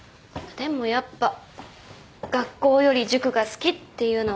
でもやっぱ学校より塾が好きっていうのはあるね。